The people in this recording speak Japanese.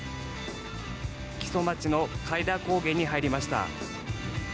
木曽町の開田高原に入りました。